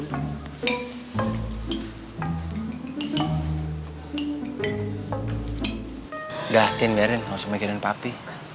enggak tin biarin harus mikirin papi